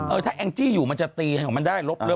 เออถ้าแองจี้อยู่มันจะตีมันได้ลบอะไร